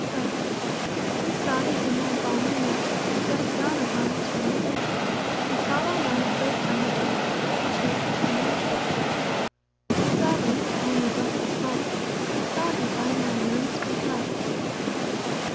Both. We saw thee in thy balmy nest, Bright dawn of our eternal day; We saw thine eyes break from the east, And chase the trembling shades away: We saw thee (and we blest the sight) We saw thee by thine own sweet light.